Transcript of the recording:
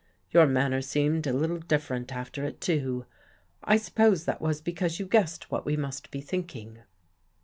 Your manner seemed a little different after it too. I suppose that was because you guessed what we must be thinking."